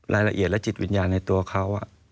รายละเอียดและจิตวิญญาณในตัวเขา